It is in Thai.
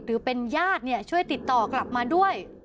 หรือเป็นญาติช่วยติดต่อกลับมาด้วย